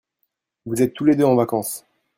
vous êtes tous les deux en vacances.